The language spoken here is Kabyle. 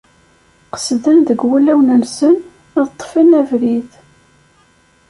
Qesden deg wulawen-nsen, ad ṭṭfen abrid.